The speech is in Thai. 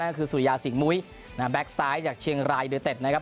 ก็คือสุริยาสิงหมุ้ยแบ็คซ้ายจากเชียงรายยูเต็ดนะครับ